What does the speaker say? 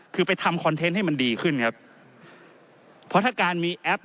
คือไปทำคอนเทนต์ให้มันดีขึ้นครับ